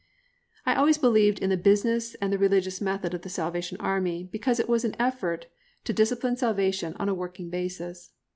I always believed in the business and the religious method of the Salvation Army, because it was an effort to discipline salvation on a working basis.